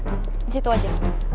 oke disitu aja